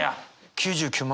９９万